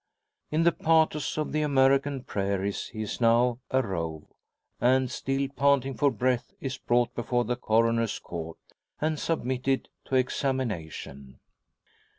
In the patois of the American prairies he is now "arrove," and, still panting for breath, is brought before the Coroner's Court, and submitted to examination.